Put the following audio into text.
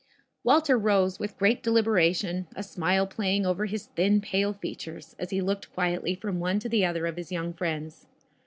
Walter rose with great deliberation, a smile playing over his thin, pale features, as he looked quietly from one to the other of his young friends.